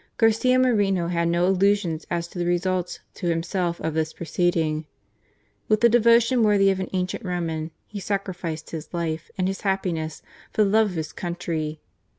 Garcia Moreno had no illusions as to the results to himself of this proceeding. With the devo tion worthy of an ancient Roman, he sacrificed his life URBINA . 49 and his happiness for the love of his country.